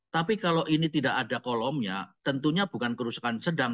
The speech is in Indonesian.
tapi kalau ini tidak ada kolomnya tentunya bukan kerusakan sedang